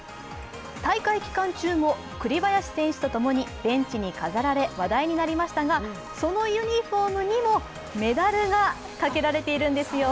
大会期間中も栗林選手とともにベンチに飾られ話題になりましたが、そのユニフォームにもメダルがかけられているんですよ。